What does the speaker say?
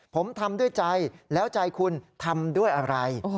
ผมทำด้วยใจแล้วใจคุณทำด้วยอะไร